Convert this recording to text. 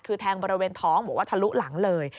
คือแทงบริเวณท้องบอกว่าทะลุหลังเลย